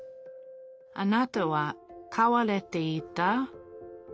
あなたは飼われていた？